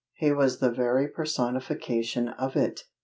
He was the very personification of it.